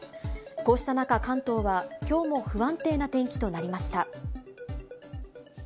こうした中、関東はきょうも不安定な天気となりました。